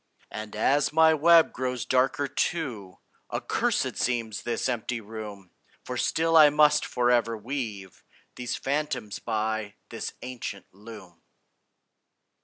And as my web grows darker too, Accursed seems this empty room; For still I must forever weave These phantoms by this ancient loom.